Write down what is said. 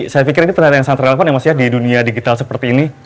saya pikir ini perharian yang sangat relevan ya mas ya di dunia digital seperti ini